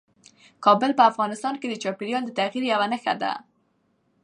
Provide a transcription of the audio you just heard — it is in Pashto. کابل په افغانستان کې د چاپېریال د تغیر یوه نښه ده.